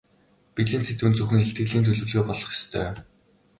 Бэлэн сэдэв нь зөвхөн илтгэлийн төлөвлөгөө болох ёстой.